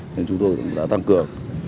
nên chúng tôi đã tăng cường